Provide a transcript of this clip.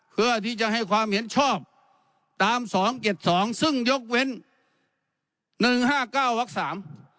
เพื่อที่จะให้ความเห็นชอบตามสองเจ็ดสองซึ่งยกเว้นหนึ่งห้าเก้าวักสาม